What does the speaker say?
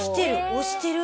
押してる。